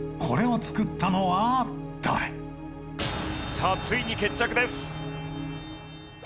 さあついに決着です。